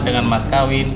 dengan mas kawin